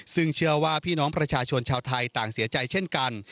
ซึ่งเชื่อว่าพี่น้องประชาชนชาวไทยต่างเสียใจเช่นกัน